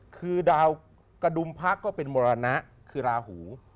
คือดาวกระดุมพระก็เป็นมรณะคือราหู